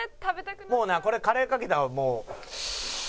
「もうなこれカレーかけたらもう」